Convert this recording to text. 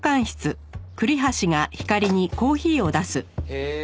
へえ。